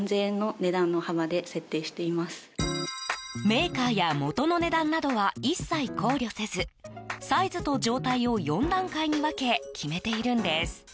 メーカーや元の値段などは一切考慮せずサイズと状態を４段階に分け決めているんです。